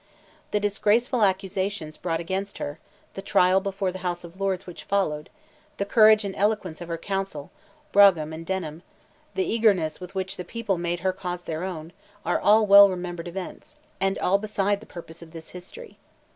The disgraceful accusations brought against her, the trial before the House of Lords which followed, the courage and eloquence of her counsel, Brougham and Denman, the eagerness with which the people made her cause their own, are all well remembered events, and all beside the purpose of this history.